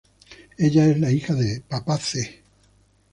Ella es la hija de "Papá C".